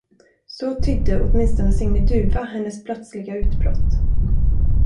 Så tydde åtminstone Signe Dufva hennes plötsliga utbrott.